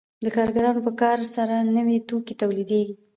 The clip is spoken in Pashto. د کارګرانو په کار سره نوي توکي تولیدېږي